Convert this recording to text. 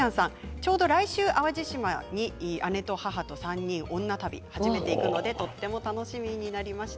ちょうど来週、淡路島に姉と母と３人、初めて行くのでとても楽しみになりました。